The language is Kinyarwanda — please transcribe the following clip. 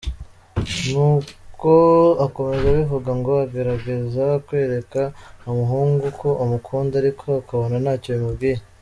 Nk’uko akomeza abivuga ngo agerageza kwereka umuhungu ko amukunda, ariko akabona ntacyo bimubwiye.